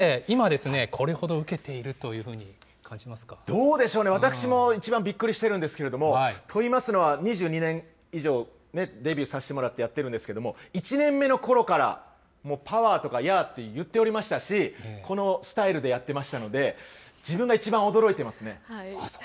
きんに君、なぜ今ですね、これほど受けているというふうに感じまどうでしょうね、私も一番びっくりしているんですけれども、といいますのは、２２年以上、デビューさせてもらってやってるんですけれども、１年目のころから、もうパワー！とかヤー！とか言っておりましたし、このスタイルでやっていましたので、自分が一番驚いてますね。